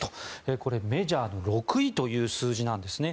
これ、メジャー６位という数字なんですね。